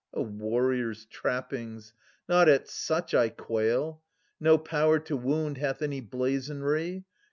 A warrior's trappings !— Not at such I quail : No power to wound hath any blazonry.